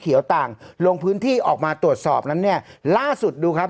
ต่างลงพื้นที่ออกมาตรวจสอบนั้นเนี่ยล่าสุดดูครับ